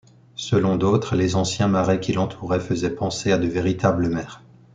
Selon d'autres, les anciens marais qui l'entouraient faisaient penser à de véritables mers.